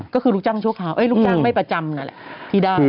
ก็คือลูกจ้างชั่วคราวลูกจ้างไม่ประจำนั่นแหละที่ได้